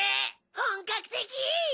本格的！